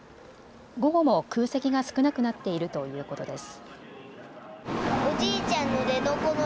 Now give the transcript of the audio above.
午後も空席が少なくなっているということです。